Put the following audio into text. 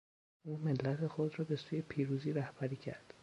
او ملت خود را به سوی پیروزی رهبری کرد.